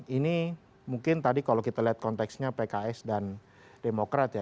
ini mungkin tadi kalau kita lihat konteksnya pks dan demokrat ya